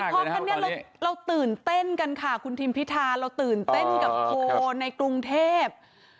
ก็ตื่นเต้นกันค่ะคุณทีมพิทาเราตื่นเต้นกับโพลในกรุงเทพฯ